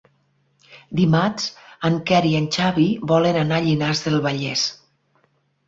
Dimarts en Quer i en Xavi volen anar a Llinars del Vallès.